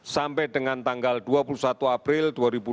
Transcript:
sampai dengan tanggal dua puluh satu april dua ribu dua puluh